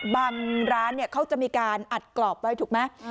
บางร้านเขาจะมีการอัดกรอบไว้ถูกไหม